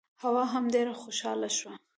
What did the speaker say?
حوا هم ډېره خوشاله شوه.